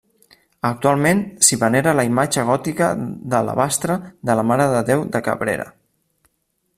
Actualment s'hi venera la imatge gòtica d'alabastre de la Mare de Déu de Cabrera.